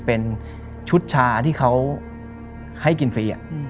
เป็นชุดชาที่เขาให้กินฟรี